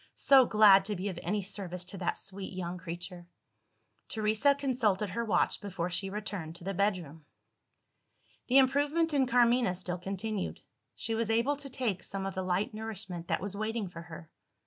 So glad to be of any service to that sweet young creature!" Teresa consulted her watch before she returned to the bedroom. The improvement in Carmina still continued: she was able to take some of the light nourishment that was waiting for her.